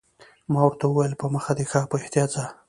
ما ورته وویل: په مخه دې ښه، په احتیاط ځه.